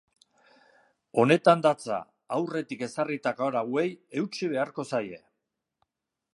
Honetan datza: aurretik ezarritako arauei eutsi beharko zaie.